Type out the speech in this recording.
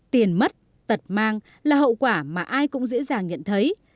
tiền mất tật mang là hậu quả mà ai cũng dễ dàng nhận thấy